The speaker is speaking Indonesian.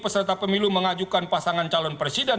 peserta pemilu mengajukan pasangan calon presiden